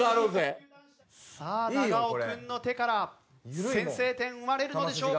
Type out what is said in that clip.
さあ長尾くんの手から先制点生まれるのでしょうか？